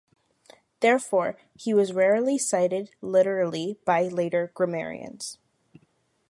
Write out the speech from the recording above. Therefore, he was rarely cited literally by later grammarians.